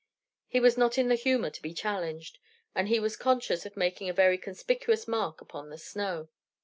He was not in the humor to be challenged, and he was conscious of making a very conspicuous mark upon the snow.